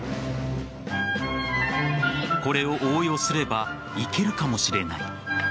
これを応用すればいけるかもしれない。